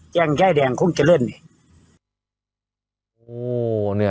แจ้งใจแดงคงจะเลิ่น